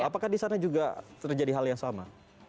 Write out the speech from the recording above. apakah di sana juga terjadi hal yang sama